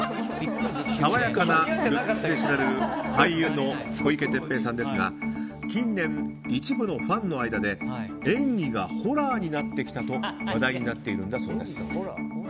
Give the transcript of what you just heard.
爽やかなルックスで知られる俳優の小池徹平さんですが近年、一部のファンの間で演技がホラーになってきたと話題になっているんだそうです。